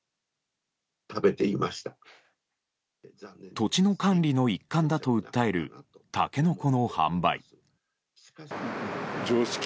土地の管理の一環だと訴えるタケノコの販売。